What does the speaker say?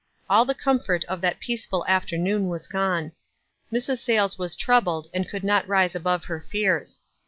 All the comfort of that peaceful afternoon was gone. Mrs. Sayles was trou bled, and could not rise above her fears.